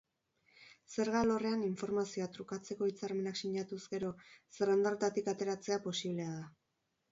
Zerga alorrean informazioa trukatzeko hitzarmenak sinatuz gero, zerrenda horretatik ateratzea posiblea da.